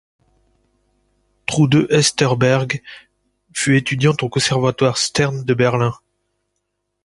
Trude Hesterberg fut étudiante au Conservatoire Stern de Berlin.